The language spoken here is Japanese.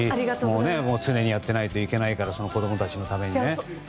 常にやっていないといけないから子供たちのためにね。